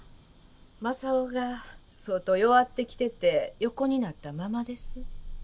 政雄が相当弱ってきてて横になったままです。